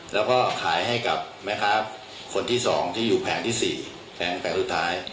แล้วก็ขายให้กับแม่ค้าคนที่๒ที่อยู่แผงที่๔แผงสุดท้าย